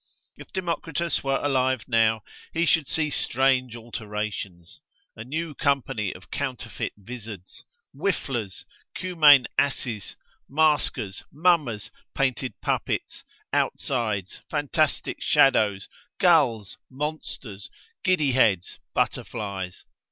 If Democritus were alive now, he should see strange alterations, a new company of counterfeit vizards, whifflers, Cumane asses, maskers, mummers, painted puppets, outsides, fantastic shadows, gulls, monsters, giddy heads, butterflies.